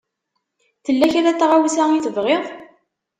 Tella kra n tɣawsa i tebɣiḍ?